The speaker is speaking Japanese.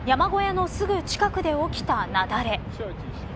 ごう音をたて、山小屋のすぐ近くで起きた雪崩。